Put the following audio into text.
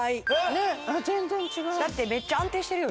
全然違うだってめっちゃ安定してるよ